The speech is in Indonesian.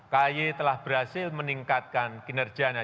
kay telah berhasil meningkatkan kinerjanya